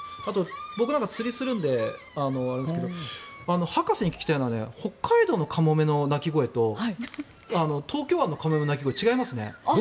僕なんかは釣りをするのであれですが博士に聞きたいのは北海道のカモメの鳴き声と東京湾のカモメの鳴き声違いますね。